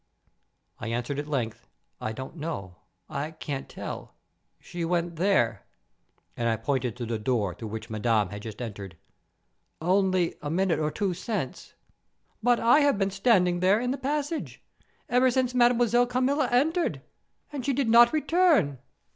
I answered at length, "I don't know—I can't tell—she went there," and I pointed to the door through which Madame had just entered; "only a minute or two since." "But I have been standing there, in the passage, ever since Mademoiselle Carmilla entered; and she did not return."